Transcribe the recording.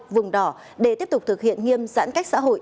vùng đỏ để tiếp tục thực hiện nghiêm giãn cách xã hội